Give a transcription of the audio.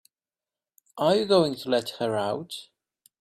Are you going to let her out?